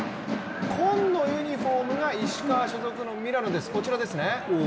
紺のユニフォームが石川所属のミラノです。